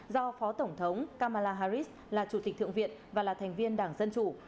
do phó tổng thống kamala harris là chủ tịch thượng viện và là thành viên đảng dân chủ